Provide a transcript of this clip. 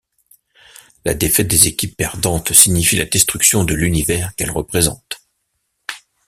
La défaite des équipes perdantes signifient la destruction de l'univers qu'elles représentent.